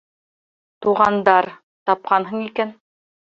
- Туғандар... тапҡан икәнһең...